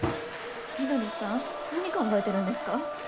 翠さん何考えてるんですか？